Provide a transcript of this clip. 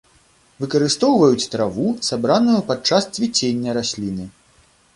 Выкарыстоўваюць траву, сабраную падчас цвіцення расліны.